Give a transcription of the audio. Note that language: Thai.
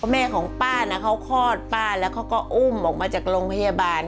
แม่ของป้านะเขาคลอดป้าแล้วเขาก็อุ้มออกมาจากโรงพยาบาล